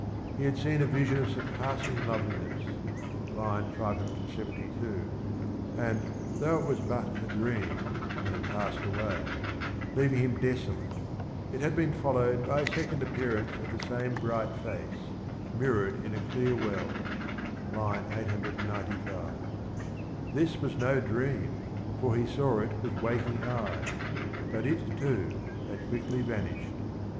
He had seen a vision of surpassing loveliness (572), and though it was but a dream, and had passed away, leaving him desolate, it had been followed by a second appearance of the same bright face, mirrored in a clear well (895). This was no dream, for he saw it with waking eyes, but it, too, had quickly vanished.